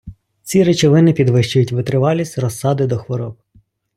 Ці речовини підвищують витривалість розсади до хвороб.